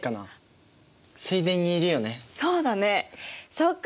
そっか。